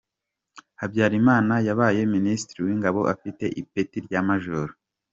Habyarimana yabaye Minisitiri w’ingabo afite ipeti rya Major.